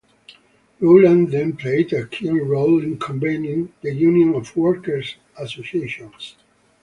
Roland then played a key role in convening the Union of Workers Associations.